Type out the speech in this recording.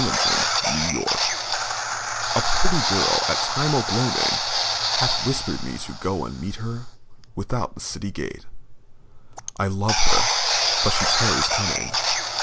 Allen, 1891] I A PRETTY girl at time o' gloaming Hath whispered me to go and meet her Without the city gate. I love her, but she tarries coming.